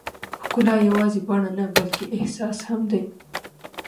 ښکلا یوازې بڼه نه، بلکې احساس هم دی.